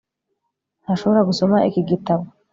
Ntashobora gusoma iki gitabo